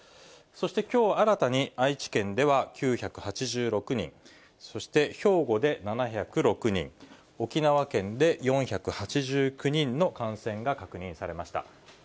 そして、きょう新たに愛知県では９８６人、そして兵庫で７０６人、沖縄県で４８９人の感染が確認されました。